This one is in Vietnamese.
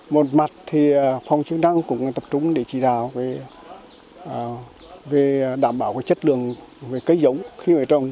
một mặt thì phòng chức năng cũng tập trung để chỉ đạo về đảm bảo chất lượng cây giống khi ở trồng